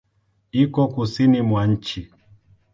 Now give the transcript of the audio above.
Iko Kusini mwa nchi.